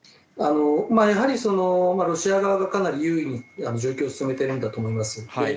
やはりロシア側がかなり有利に状況を進めているんだと思います。